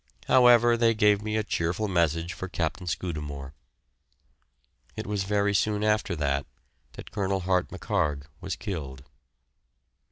However, they gave me a cheerful message for Captain Scudamore. It was very soon after that that Colonel Hart McHarg was killed.